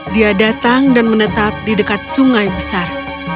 dia datang dan menetap di dekat sungai besar